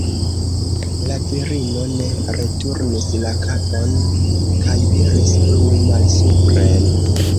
La virino ne returnis la kapon kaj iris plue malsupren.